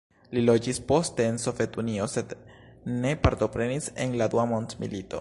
Li loĝis poste en Sovetunio, sed ne partoprenis en la Dua Mondmilito.